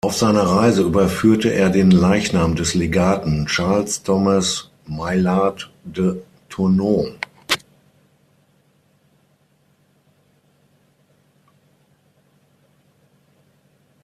Auf seiner Reise überführte er den Leichnam des Legaten Charles Thomas Maillard de Tournon.